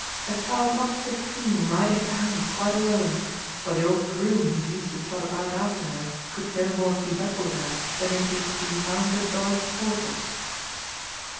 A child not fifteen riding to hounds quite alone, for the old groom who used to trot about after her could no more keep up with her than if he'd been mounted on a tor toise."